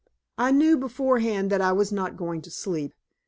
I knew beforehand that I was not going to sleep.